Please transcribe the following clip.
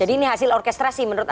jadi ini hasil orkestrasi menurut anda